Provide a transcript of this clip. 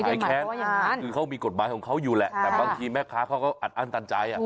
ไอ้แค้นคือเขามีกฎหมายของเขาอยู่แหละแต่บางทีแม่ค้าเขาก็อัดอั้นตันใจ